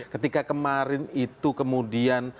ketika kemarin itu kemudian